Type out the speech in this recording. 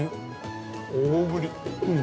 大ぶり。